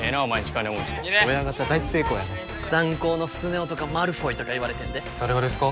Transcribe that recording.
金持ちで親ガチャ大成功やなザン高のスネ夫とかマルフォイとか言われてんで誰がですか？